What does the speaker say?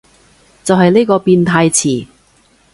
就係呢個變態詞